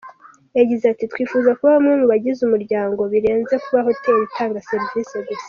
Yagize ati “Twifuza kuba bamwe mu bagize umuryango, birenze kuba hoteli itanga serivisi gusa.